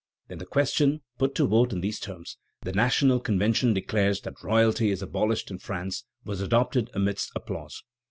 Then the question, put to vote in these terms: "The National Convention declares that royalty is abolished in France," was adopted amidst applause.